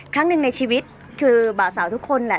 ครั้งหนึ่งในชีวิตคือบ่าวสาวทุกคนแหละ